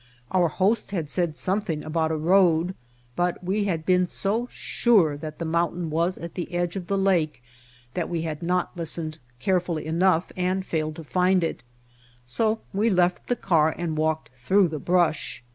Our host had said something about a road, but we had been so sure that the mountain was at the edge of the lake that we had not listened carefully enough and failed to find it, so we left the car and White Heart of Mojave walked through the brush.